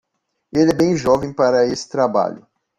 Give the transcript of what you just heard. Ele é bem jovem para esse trabalho.